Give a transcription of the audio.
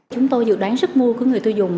chúng tôi dự đoán sức mua của người tiêu dùng